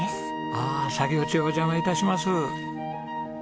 ああ作業中お邪魔致します。